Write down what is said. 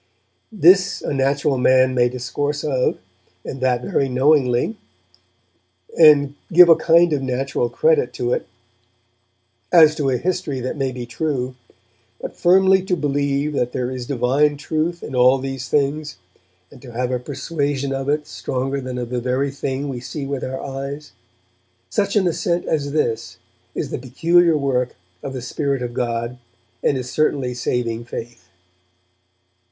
'This a natural man may discourse of, and that very knowingly, and give a kind of natural credit to it, as to a history that may be true; but firmly to believe that there is divine truth in all these things, and to have a persuasion of it stronger than of the very thing we see with our eyes; such an assent as this is the peculiar work of the Spirit of God, and is certainly saving faith.'